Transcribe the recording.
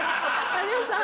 有吉さん